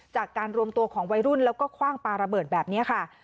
จากการรวมตัวของวัยรุ่นแล้วก็คว่างปลาระเบิดแบบนี้ค่ะ